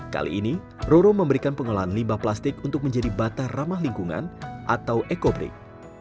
kali ini roro memberikan pengolahan limbah plastik untuk menjadi batar ramah lingkungan atau ekobrik